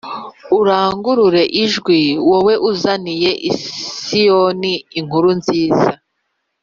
urangurure ijwi, wowe uzaniye Siyoni inkuru nziza,